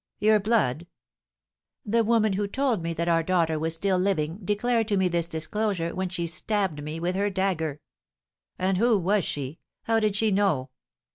"Your blood!" "The woman who told me that our daughter was still living declared to me this disclosure when she stabbed me with her dagger." "And who was she? How did she know?"